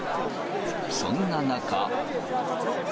そんな中。